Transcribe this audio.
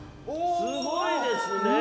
◆すごいですね。